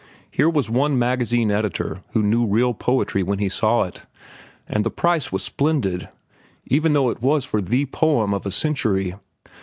Here was one magazine editor who knew real poetry when he saw it. And the price was splendid, even though it was for the poem of a century.